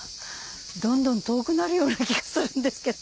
どんどん遠くなるような気がするんですけど。